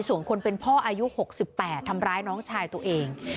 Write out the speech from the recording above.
ส่วนคนเป็นพ่ออายุ๖๘ทำร้ายน้องชายตัวเอง